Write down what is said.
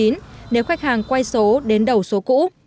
nếu khách hàng quay số đến đầu số cũ